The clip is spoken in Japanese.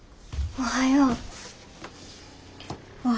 おはよう。